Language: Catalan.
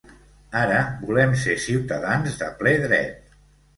Ara volem ser ciutadans de ple dret.